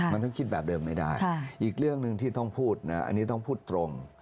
มันต้องคิดแบบเดิมไม่ได้อีกเรื่องหนึ่งที่ต้องพูดนะอันนี้ต้องพูดตรง